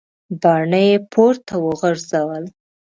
باڼه یې پورته وغورځول.